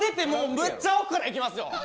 むっちゃ奥からいきますよ。